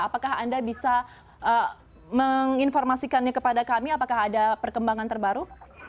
apakah anda bisa menginformasikannya kepada kami apakah ada perkembangan terbaru